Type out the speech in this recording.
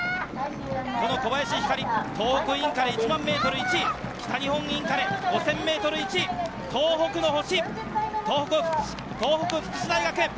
この小林日香莉、東北インカレ１００００ｍ１位、北日本インカレ５０００ｍ１位、東北の星！